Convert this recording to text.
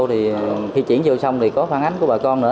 thì khi chuyển vô xong thì có phản ánh của bà con nữa